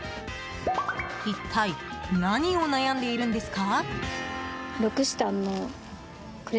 一体何を悩んでいるんですか？